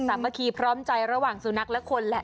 สามัคคีพร้อมใจระหว่างสุนัขและคนแหละ